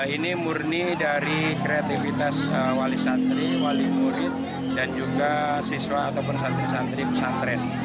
ini murni dari kreativitas wali santri wali murid dan juga siswa ataupun santri santri pesantren